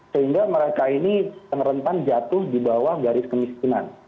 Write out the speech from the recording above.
sehingga mereka ini penerentan jatuh di bawah garis kemiskinan